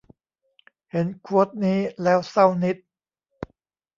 เห็นโควตนี้แล้วเศร้านิด